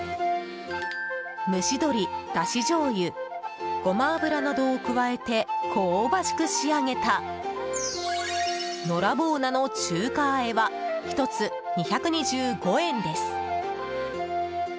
蒸し鶏、だしじょうゆゴマ油などを加えて香ばしく仕上げたのらぼう菜の中華和えは１つ２２５円です。